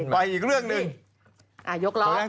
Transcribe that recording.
ไปอีกเรื่องหนึ่ง